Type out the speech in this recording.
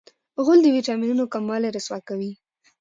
غول د وېټامینونو کموالی رسوا کوي.